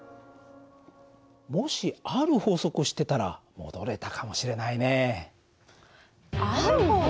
もしある法則を知ってたら戻れたかもしれないね。